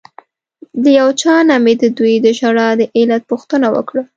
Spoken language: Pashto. له یو چا نه مې ددوی د ژړا د علت پوښتنه وکړه.